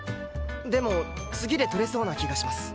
でも次で取れそうな気がします。